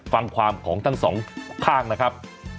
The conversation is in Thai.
ฟังความของทั้งสองข้างนะครับ